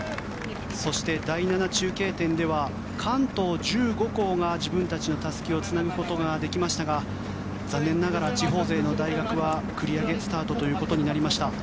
そして、第７中継点では関東１５校が自分たちのたすきをつなぐことができましたが残念ながら地方勢の大学は繰り上げスタートということになりました。